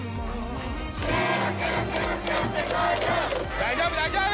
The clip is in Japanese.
大丈夫、大丈夫。